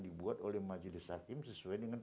dibuat oleh majelis hakim sesuai dengan